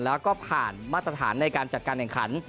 แล้วก็ผ่านมาตรฐานในการจัดการแข่งขัน